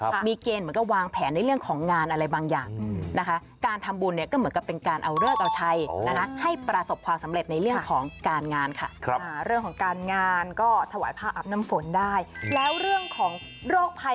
อาบน้ำฝนได้แล้วเรื่องของโรคภัยไข้เจ็บล่ะคะ